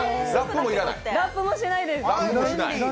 ラップもしないです。